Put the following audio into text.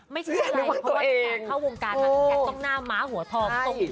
ไม่ใช่เลยเพราะว่าเป็นแก่งเข้าวงการอยากต้องหน้าม้าหัวธอมตรงนี้เลย